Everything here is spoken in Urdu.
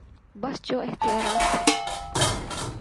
بس جو اختیارات تھے۔